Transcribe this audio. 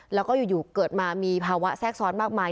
แล้วก็อยู่เกิดมามีภาวะแทรกซ้อนมากมาย